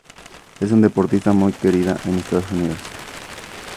Es una deportista muy querida en Estados Unidos.